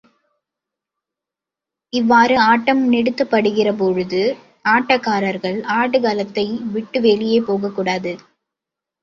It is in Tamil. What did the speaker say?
இவ்வாறு ஆட்டம் நிறுத்தப்படுகிறபொழுது, ஆட்டக்காரர்கள் ஆடுகளத்தை விட்டு வெளியே போகக்கூடாது.